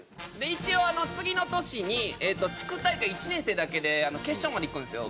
一応次の年に地区大会１年生だけで決勝まで行くんですよ。